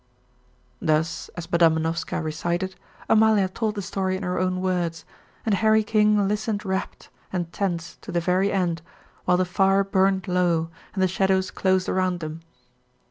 Thus, as Madam Manovska recited, Amalia told the story in her own words, and Harry King listened rapt and tense to the very end, while the fire burned low and the shadows closed around them.